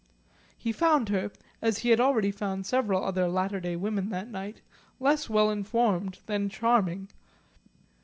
He found her, as he had already found several other latter day women that night, less well informed than charming.